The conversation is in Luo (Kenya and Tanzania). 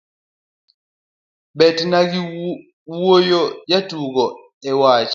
betga gi nuoyo jotugo e wach?